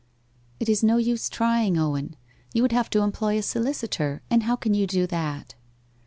'It is no use trying, Owen. You would have to employ a solicitor, and how can you do that?